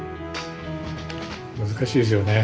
難しいですよね。